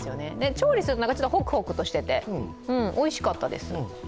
調理すると、ホクホクとしていておいしかったです。